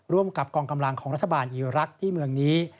ร่วมกับกองกำลังของรัฐบาลอีรักษ์ที่เมืองนี้